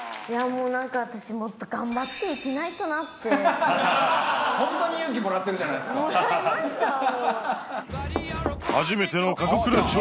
もうなんか私もっと頑張って生きないとなってホントに勇気もらってるじゃないもらいましたよ